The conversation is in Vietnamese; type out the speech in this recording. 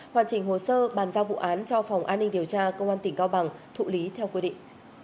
hoàn chỉnh hồ sơ bàn giao vụ án cho phòng an ninh điều tra công an tỉnh cao bằng thụ lý theo quy định